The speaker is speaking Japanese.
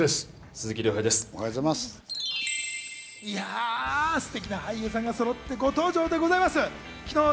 いや、ステキな俳優さんがそろってご登場でございます。